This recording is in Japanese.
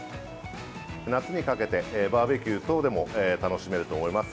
夏にかけてバーベキュー等でも楽しめると思います。